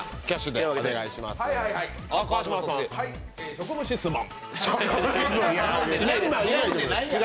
職務質問。